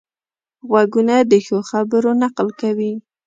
غوږونه د ښو خبرو نقل کوي